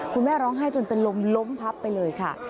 คุณแม่ร้องไห้จนเป็นลมล้มพับไปเลยค่ะ